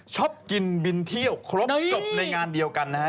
ชอบกินบินเที่ยวครบจบในงานเดียวกันนะฮะ